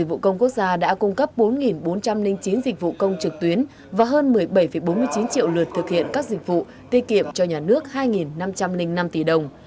dịch vụ công quốc gia đã cung cấp bốn bốn trăm linh chín dịch vụ công trực tuyến và hơn một mươi bảy bốn mươi chín triệu lượt thực hiện các dịch vụ tiết kiệm cho nhà nước hai năm trăm linh năm tỷ đồng